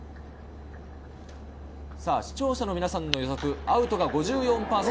視聴者の皆さんの予測、アウトが５４％。